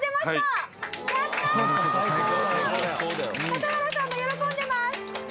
笠原さんも喜んでます！